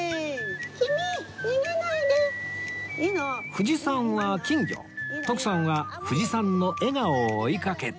藤さんは金魚徳さんは藤さんの笑顔を追いかけて